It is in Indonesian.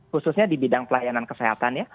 khususnya di bidang pelayanan kesehatan ya